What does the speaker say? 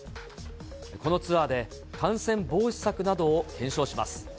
このツアーで感染防止策などを検証します。